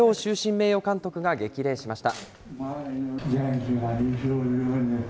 名誉監督が激励しました。